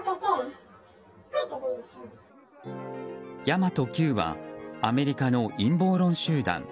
神真都Ｑはアメリカの陰謀論集団